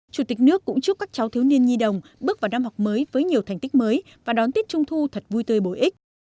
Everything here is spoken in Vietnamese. chủ tịch nước cũng chúc các cháu thiếu niên nhi đồng bước vào năm học mới với nhiều thành tích mới và đón tết trung thu thật vui tươi bổ ích